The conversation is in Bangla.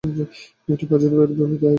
এটি বাজেট এর বিপরীতে আয় করে।